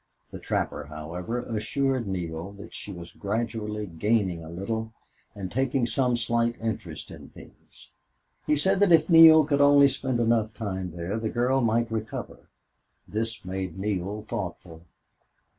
The trapper, however, assured Neale that she was gradually gaining a little and taking some slight interest in things; he said that if Neale could only spend enough time there the girl might recover. This made Neale thoughtful.